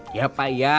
iya pak iya